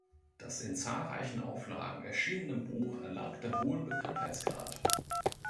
Das in zahlreichen Auflagen erschienene Buch erlangte hohen Bekanntheitsgrad.